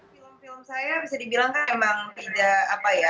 film film saya bisa dibilang kan emang tidak apa ya